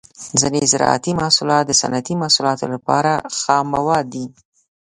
ځینې زراعتي محصولات د صنعتي محصولاتو لپاره خام مواد دي.